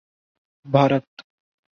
Bharat